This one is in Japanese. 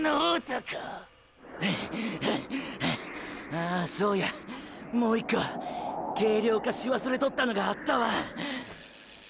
ああそうやも１コ軽量化し忘れとったのがあったわ。